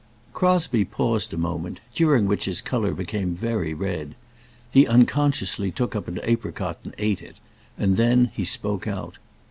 Crosbie paused a moment, during which his colour became very red. He unconsciously took up an apricot and eat it, and then he spoke out.